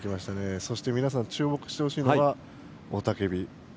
そして皆さん、注目してほしいのは雄たけび。